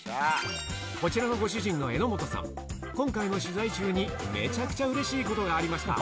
こちらのごしゅじんの榎本さん、今回の取材中に、めちゃくちゃうれしいことがありました。